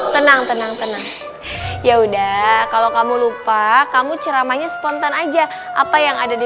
tenang tenang tenang yaudah kalau kamu lupa kamu ceramanya spontan aja apa yang ada di